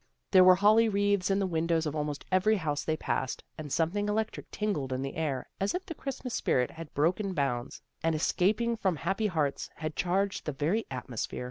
There were holly wreaths in the windows of almost every house they passed, and something electric tingled in the air, as if the Christmas spirit had broken bounds, and escaping from happy hearts, had charged the very atmosphere.